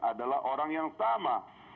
adalah orang yang sama